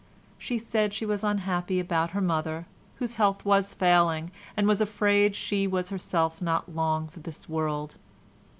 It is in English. She said she was unhappy about her mother, whose health was failing, and was afraid she was herself not long for this world.